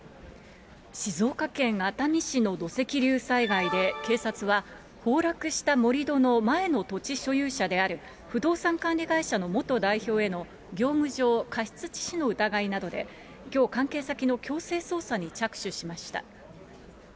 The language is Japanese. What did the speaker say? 静岡県熱海市の土石流災害で警察は崩落した盛り土の前の土地所有者である不動産管理会社の元代表への業務上過失致死の疑いなどで、きょう、関係先の強制捜査に着手しました。